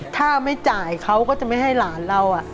ถ้าไม่จ่ายเขาก็จะไม่ให้หลานเรา